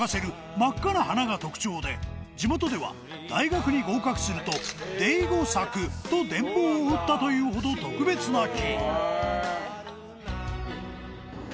真っ赤な花が特徴で聾気任大学に合格するとデイゴサク」と電報を打ったというほど特別な木